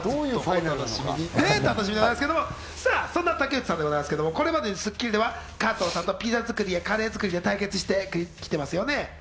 どういうことなのか楽しみでございますけど、そんな竹内さんでございますけど、これまで『スッキリ』では加藤さんとピザ作りや、カレー作りで対決してきましたよね。